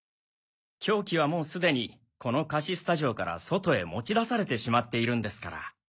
凶器はもうすでにこの貸しスタジオから外へ持ち出されてしまっているんですから。